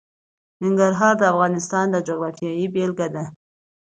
ننګرهار د افغانستان د جغرافیې بېلګه ده.